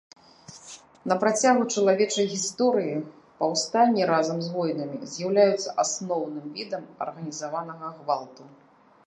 На працягу чалавечай гісторыі паўстанні разам з войнамі з'яўляюцца асноўным відам арганізаванага гвалту.